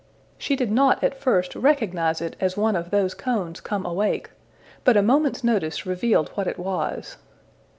She did not at first recognize it as one of those cones come awake, but a moment's notice revealed what it was.